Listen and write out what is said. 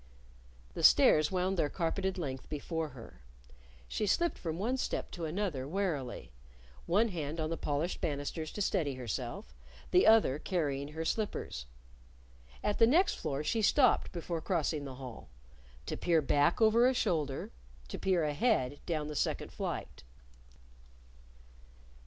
The stairs wound their carpeted length before her. She slipped from one step to another warily, one hand on the polished banisters to steady herself, the other carrying her slippers. At the next floor she stopped before crossing the hall to peer back over a shoulder, to peer ahead down the second flight.